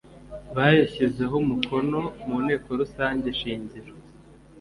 bayashyizeho umukono mu nteko rusange shingiro